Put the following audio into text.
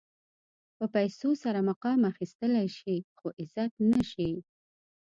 په پیسو سره مقام اخيستلی شې خو عزت نه شې.